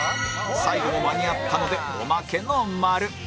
最後も間に合ったのでおまけの○